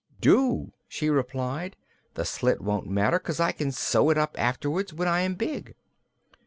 "Do," she replied. "The slit won't matter, 'cause I can sew it up again afterward, when I am big."